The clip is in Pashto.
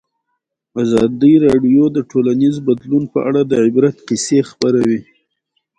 ازادي راډیو د ټولنیز بدلون په اړه د عبرت کیسې خبر کړي.